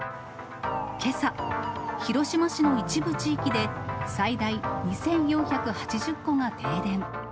けさ、広島市の一部地域で、最大２４８０戸が停電。